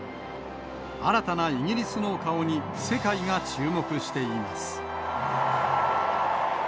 新たなイギリスの顔に、世界が注目しています。